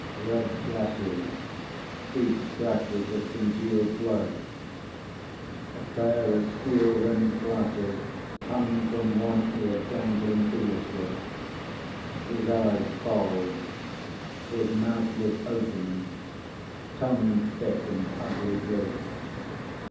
Red gashes, deep scratches of congealed blood. A pair of steel rimmed glasses hung from one ear, dangling foolishly. His eyes bulged. His mouth was open, tongue thick and ugly blue.